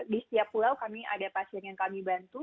di setiap pulau kami ada pasien yang kami bantu